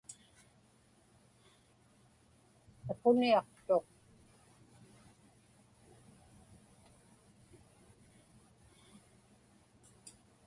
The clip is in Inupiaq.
Siquniaqtuq.